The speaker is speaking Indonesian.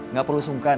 gak perlu sungkan